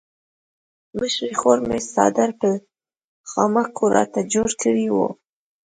مشرې خور مې څادر په خامکو راته جوړ کړی وو.